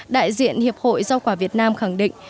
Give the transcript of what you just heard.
đại diện hiệp hội rau quả việt nam khẳng định